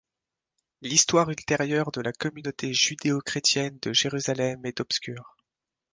L'histoire ultérieure de la communauté judéo-chrétienne de Jérusalem est obscure.